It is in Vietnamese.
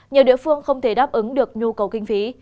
nhiều địa phương không thể đáp ứng được nhu cầu kinh phí